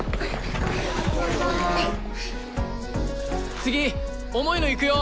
次重いのいくよ。